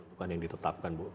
bukan yang ditetapkan bu